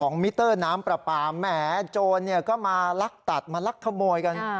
ของมิเตอร์น้ำปลาแหมโจรก็มาลักตัดมาลักขโมยกัน